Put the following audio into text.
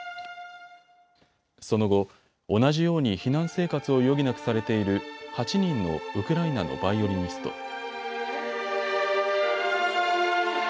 その後、同じように避難生活を余儀なくされている８人のウクライナのバイオリニスト。